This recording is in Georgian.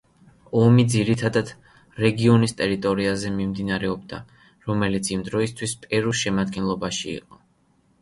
ომი ძირითადად რეგიონის ტერიტორიაზე მიმდინარეობდა, რომელიც იმ დროისთვის პერუს შემადგენლობაში იყო.